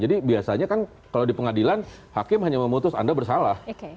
jadi biasanya kan kalau di pengadilan hakim hanya memutus anda bersalah